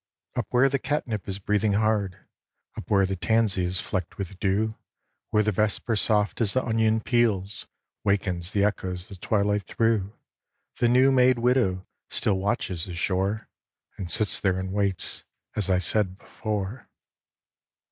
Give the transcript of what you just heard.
Up where the catnip is breathing hard, Up where the tansy is flecked with dew, Where the vesper soft as the onion peels Wakens the echoes the twilight through, The new made widow still watches the shore And sits there and waits, as I said before.